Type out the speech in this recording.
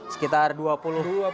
sekitar dua puluh cm lah ya